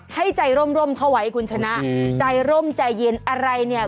ให้ใจร่มร่มเข้าไว้คุณชนะใจร่มใจเย็นอะไรเนี่ย